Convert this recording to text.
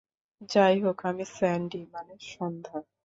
যাইহোক, আমি স্যান্ডি, মানে সন্ধ্যা।